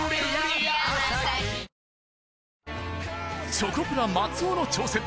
チョコプラ・松尾の挑戦